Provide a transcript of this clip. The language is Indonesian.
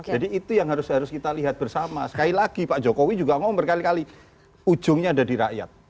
jadi itu yang harus kita lihat bersama sekali lagi pak jokowi juga ngomong berkali kali ujungnya ada di rakyat